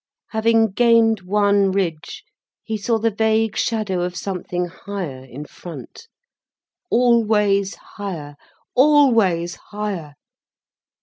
Having gained one ridge, he saw the vague shadow of something higher in front. Always higher, always higher.